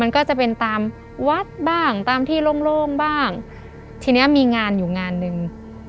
ก็จะเป็นตามวัดบ้างตามที่โล่งโล่งบ้างทีเนี้ยมีงานอยู่งานหนึ่ง